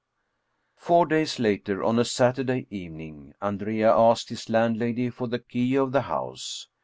Four days later, on a Saturday evening, Andrea asked his landlady for the key of the house.